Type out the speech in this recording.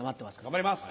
頑張ります！